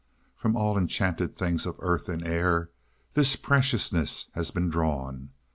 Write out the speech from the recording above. "From all enchanted things of earth and air, this preciousness has been drawn.